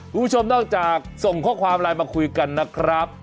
คุณผู้ชมนอกจากส่งข้อความไลน์มาคุยกันนะครับ